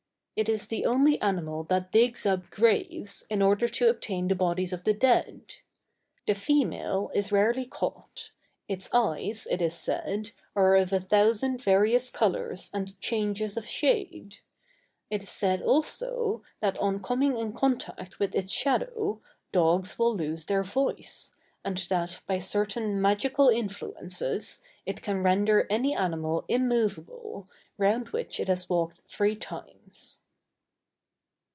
It is the only animal that digs up graves, in order to obtain the bodies of the dead. The female is rarely caught: its eyes, it is said, are of a thousand various colors and changes of shade. It is said also, that on coming in contact with its shadow, dogs will lose their voice, and that, by certain magical influences, it can render any animal immovable, round which it has walked three times.